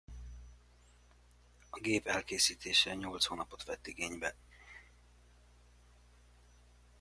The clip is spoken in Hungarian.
A gép elkészítése nyolc hónapot vett igénybe.